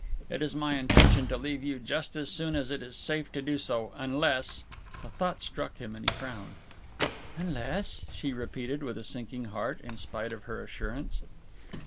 It is my intention to leave you just as soon as it is safe to do so unless " A thought struck him, and he frowned. "Unless ?" she repeated with a sinking heart in spite of her assurance.